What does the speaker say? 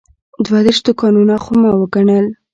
دوه دېرش دوکانونه خو ما وګڼل.